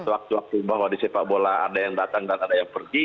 waktu waktu bahwa di sepak bola ada yang datang dan ada yang pergi